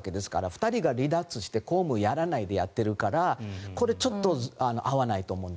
２人が離脱して公務をやらないでやっているからこれ、合わないと思うんです。